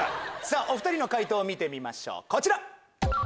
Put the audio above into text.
お２人の解答見てみましょうこちら。